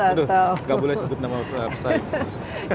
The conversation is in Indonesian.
aduh nggak boleh sebut nama pesaing